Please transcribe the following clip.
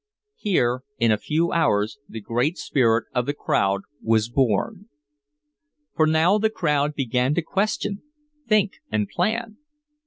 Here in a few hours the great spirit of the crowd was born. For now the crowd began to question, think and plan.